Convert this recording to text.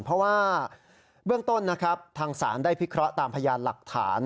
เพราะว่าเบื้องต้นนะครับทางศาลได้พิเคราะห์ตามพยานหลักฐาน